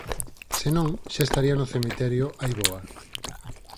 Se non, xa estaría no cemiterio hai boa.